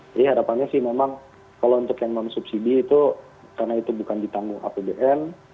jadi harapannya sih memang kalau untuk yang non subsidi itu karena itu bukan ditanggung apbn